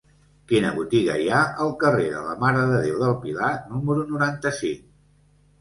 Quina botiga hi ha al carrer de la Mare de Déu del Pilar número noranta-cinc?